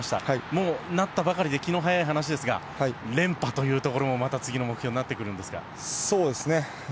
もう、なったばかりで気の早い話ですが連覇というところもまた次の目標になってくるんですが。